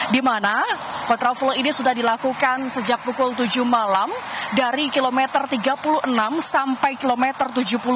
di mana kontraflow ini sudah dilakukan sejak pukul tujuh malam dari kilometer tiga puluh enam sampai kilometer tujuh puluh